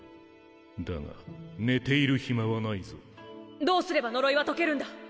だが寝ている暇はないぞどうすれば呪いは解けるんだ？